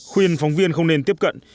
khuyên phóng viên không nên tiếp cận